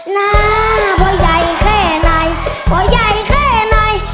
น่าพ่อใหญ่แค่ไหนพ่อใหญ่แค่ไหน